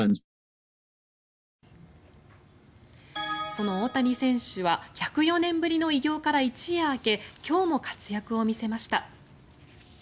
その大谷選手は１０４年ぶりの偉業から一夜明け今日も活躍を見せました。